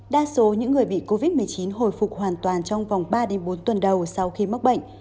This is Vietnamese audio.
đa số những người bị covid một mươi chín hồi phục hoàn toàn trong vòng ba bốn tuần đầu sau khi mắc bệnh